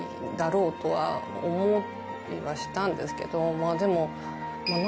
まあでも。